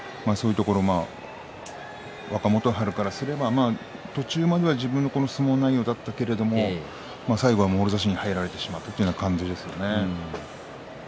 若元春からすれば途中までは自分の相撲内容だったけれども最後はもろ差しに入られてしまったという感じです。